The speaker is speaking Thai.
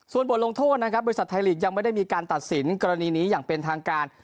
ส่วนบทลงโทษนะครับบริษัทไทยลีกยังไม่ได้มีการตัดสินกรณีนี้อย่างเป็นทางการ